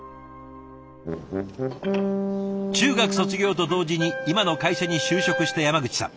中学卒業と同時に今の会社に就職した山口さん。